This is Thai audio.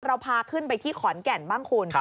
เราพาขึ้นไปที่ขอนแก่นบ้างคุณ